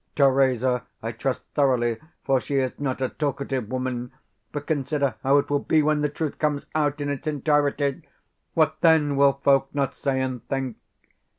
Theresa I trust thoroughly, for she is not a talkative woman; but consider how it will be when the truth comes out in its entirety! What THEN will folk not say and think?